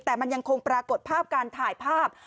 แต่มันยังคงปรากฏภาพการถ่ายภาพ